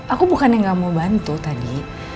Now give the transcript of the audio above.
aku bukannya gak mau bantu tadi